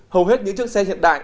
hầu hết những chiếc xe hiện đại